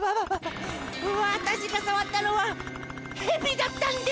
わたしがさわったのはヘビだったんですか？